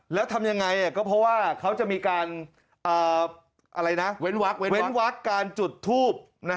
แล้วทำยังไงก็เพราะว่าเขาจะมีการเว้นวักการจุดทูบ